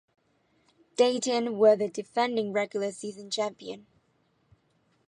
Dayton were the defending regular season champion.